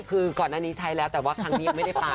คือก่อนหน้านี้ใช้แล้วแต่ว่าครั้งนี้ยังไม่ได้ปลา